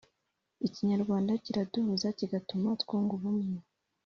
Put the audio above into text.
ikinyarwanda kiraduhuza kigatuma twunga ubumwe,